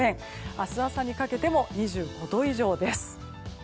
明日朝にかけても２５度以上です。